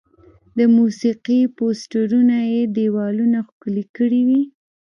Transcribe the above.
د موسیقي پوسټرونه یې دیوالونه ښکلي کړي وي.